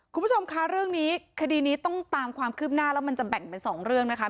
คุณผู้ชมคะเรื่องนี้คดีนี้ต้องตามความคืบหน้าแล้วมันจะแบ่งเป็นสองเรื่องนะคะ